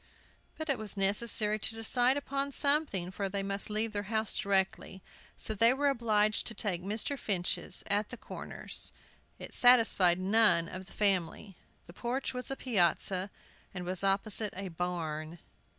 But it was necessary to decide upon something, for they must leave their house directly. So they were obliged to take Mr. Finch's, at the Corners. It satisfied none of the family. The porch was a piazza, and was opposite a barn.